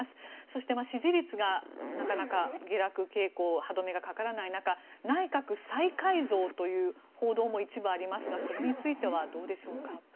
そして支持率がなかなか下落傾向歯止めがかからない中内閣再改造という報道も一部ありますがそれについてはどうでしょうか。